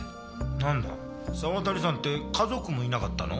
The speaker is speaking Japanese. なんだ沢渡さんって家族もいなかったの？